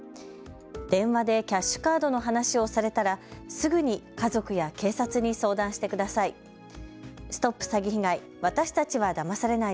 電話でキャッシュカードの話をされたらすぐに家族や警察に相談してください。